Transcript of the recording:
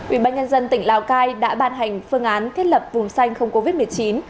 ubnd tỉnh lào cai đã ban hành phương án thiết lập vùng xanh không covid một mươi chín